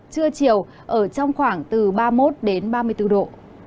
trưa chiều ở trong khoảng từ ba mươi một đến ba mươi bốn độ